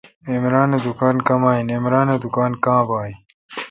عمرانہ دکان کمااین۔۔عمران اے° دکان کاں بااین